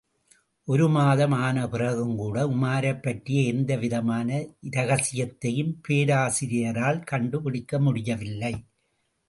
ஒரு மாதம் ஆன பிறகும்கூட உமாரைப் பற்றிய எந்த விதமான இரகசியத்தையும் பேராசிரியரால் கண்டு பிடிக்க முடியவில்லை.